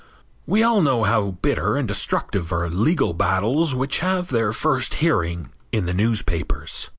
We all know how bitter and destructive are legal battles which have their first hearing in the newspapers.